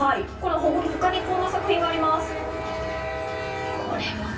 他にこんな作品があります。